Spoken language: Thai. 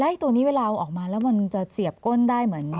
ตัวนี้เวลาเอาออกมาแล้วมันจะเสียบก้นได้เหมือน